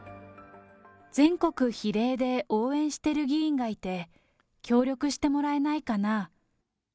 全国比例で応援してる議員がいて、協力してもらえないかな。